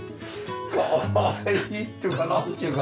かわいいっていうかなんていうか。